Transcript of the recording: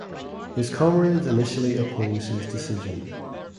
His comrades initially oppose his decision.